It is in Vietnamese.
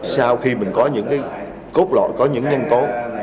sau khi mình có những cốt lội có những nhân tố